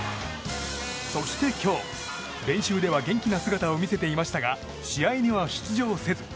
そして今日、練習では元気な姿を見せていましたが試合には出場せず。